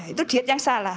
itu diet yang salah